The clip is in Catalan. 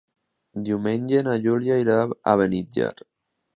Diumenge na Júlia irà a Beniatjar.